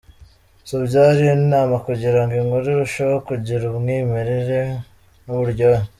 so byari inama kugirango inkuru irusheho kugira umwimereri nuburyohe.